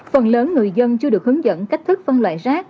phần lớn người dân chưa được hướng dẫn cách thức phân loại rác